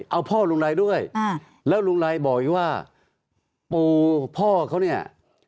เอาพ่อลุงไรด้วยแล้วลุงไรบอกอีกว่าปูพ่อเขาเนี่ย